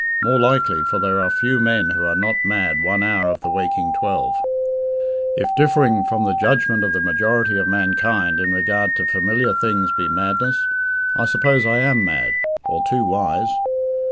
More likely, for there are few men who are not mad one hour of the waking twelve. If differing from the judgment of the majority of mankind in regard to familiar things be madness, I suppose I am mad or too wise.